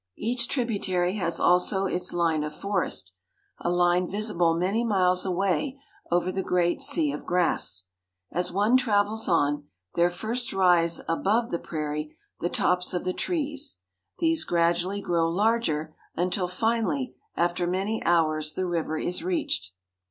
Each tributary has also its line of forest, a line visible many miles away over the great sea of grass. As one travels on, there first rise above the prairie the tops of the trees; these gradually grow larger, until finally, after many hours, the river is reached.